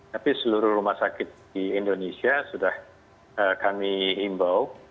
tapi seluruh rumah sakit di indonesia sudah kami imbau